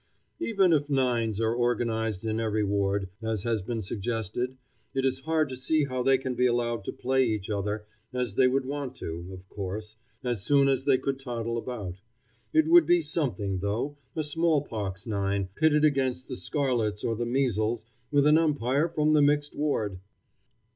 Even if nines are organized in every ward, as has been suggested, it is hard to see how they can be allowed to play each other, as they would want to, of course, as soon as they could toddle about. It would be something, though, a smallpox nine pitted against the scarlets or the measles, with an umpire from the mixed ward!